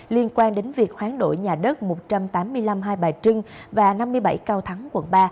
liên quan đến việc hoán đổi nhà đất một trăm tám mươi năm hai bà trưng và năm mươi bảy cao thắng quận ba